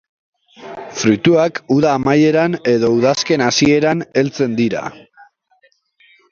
Fruituak uda-amaieran, edo udazken-hasieran heltzen dira.